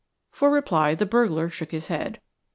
For reply the burglar shook his head.